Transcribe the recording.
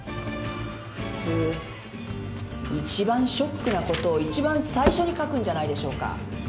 普通いちばんショックなことをいちばん最初に書くんじゃないでしょうか。